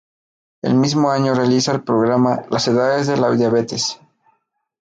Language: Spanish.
El mismo año realiza el programa "Las edades de la diabetes".